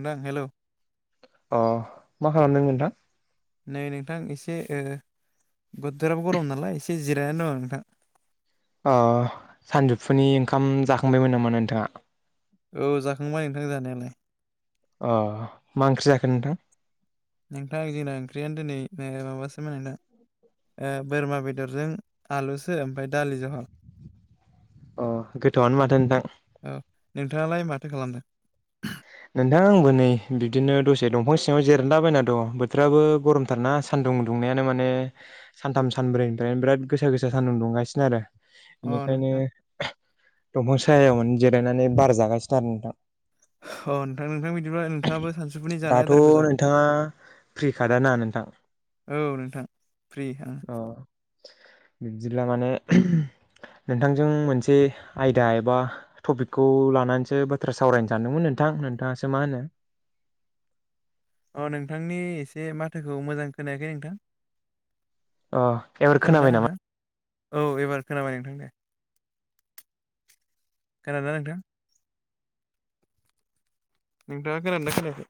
नोंथां हेलौ अ मा खालामदों नोंथां नै नोंथां एसे ओ बोथोराबो गरम नालाय एसे जिरायनानै दङ नोंथां अ सानजौफुनि ओंखाम जाखांबायमोन नामा नोंथाङा औ जाखांबाय नोंथां जानायालाय अ मा ओंख्रि जाखो नोंथां नोंथां जोंना ओंख्रियानो दिनै माबासो नोंथां ओ बोरमा बेदरजों आलुसो ओमफ्राय दालि जहल अह गोथावानो माथो नोंथां औ नोंथाङालाय माथो खालामदों नोंथां आंबो नै बिदिनो दसे दंफां सिङाव जेरायलाबायना दं बोथोराबो गरमथारना सान सान्दुं दुंनायानो माने सानथाम सानब्रैनिफ्रायनो बिराद गोसा गोसा सानदुं दुंगासिनो आरो अ बेनिखायनो नोंथां दंफां सायावनो जिरायनानै बार जागासिनो आरो नोंथां अ नोंथां नोंथां बिदिब्ला नोंथाङाबो सानजौफुनि जानाय दाथ' आदारखौ जा नोंथाङा फ्रिखादा ना नोंथां औ नोंथां फ्रि आङो बिदिब्ला माने नोंथांजों मोनसे आयदा एबा टपिकखौ लानानैसो बाथ्रा सावरायनो सानदोंमोन नोंथां नोंथां नोंथाङासो मा होनो अ नोंथांनि एसे माथोखौ मोजां खोनायाखै नोंथां अ एबार खोनादोंना खोनाबाय नामा नोंथां औ एबार खोनाबाय नोंथां दे खोनादों ना नोंथां नोंथाङा खोनादों ना खोनायाखै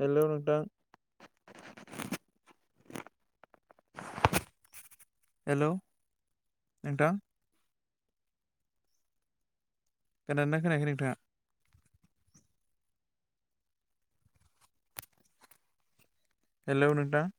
हेल' नोंथां हेल' नोंथां खोनादोंना खोनायाखै नोंथाङा हेल नोंथां